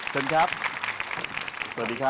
เชิญครับสวัสดีครับ